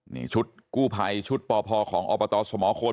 นี่ชุดกู้ไพชุดปภของอสโมโคนบอกว่า